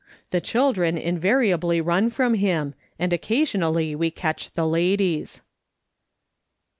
The children invariably run from him, and occasionally we catch the ladies."